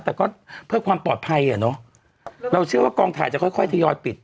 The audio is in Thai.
แต่ก็เพื่อความปลอดภัยอ่ะเนอะเราเชื่อว่ากองถ่ายจะค่อยค่อยทยอยปิด